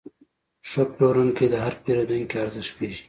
ښه پلورونکی د هر پیرودونکي ارزښت پېژني.